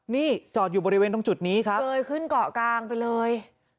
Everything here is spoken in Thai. นี่จอดอยู่บริเวณตรงจุดนี้ครับเลยขึ้นเกาะกลางไปเลย